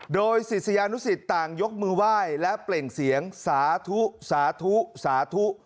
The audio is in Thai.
โดยศิษยานุสิตต่างยกมือไหว้และเปล่งเสียงสาธุสาธุสาธุ